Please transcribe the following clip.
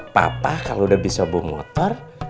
papa kalau udah bisa bawa motor